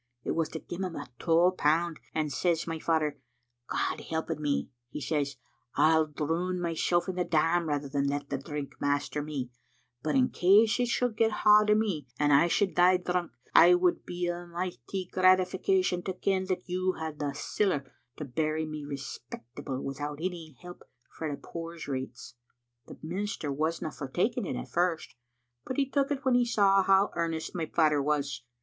It was to gie him twa pound, and, says my father, *God helping me,' he says, * I'll droon mysel in the dam rather than let the drink master me, but in oase it should get hand o' me and I should die drunk, it would be a michty gratification to me to ken that you had the siller to bury me respectable without ony help frae the poor's rates. ' The minister wasna for taking it at first, Digitized by VjOOQ IC tCbe JBgvPtUOL M but he took it when he saw how earnest my father was.